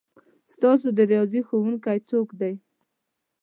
ستاسو د ریاضي ښؤونکی څوک دی؟